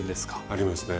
ありますね。